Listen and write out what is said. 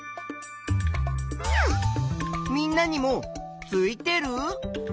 みんなにもついてる？